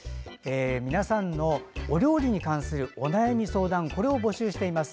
皆さんの料理に関する悩み、ご相談を募集しています。